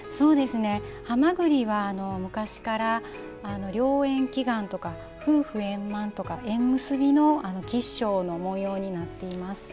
ハマグリは昔から良縁祈願とか夫婦円満とか縁結びの吉祥の模様になっています。